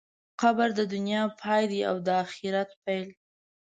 قبر د دنیا پای دی او د آخرت پیل.